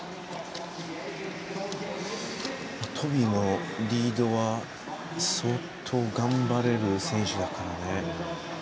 トビーのリードは相当頑張れる選手だからね。